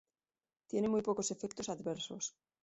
Tiene muy pocos efectos adversos.